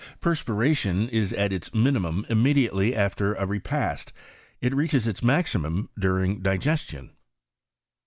Perspiration is at its minimum immediately after a repast ; it reaches its maximum during' di gestion.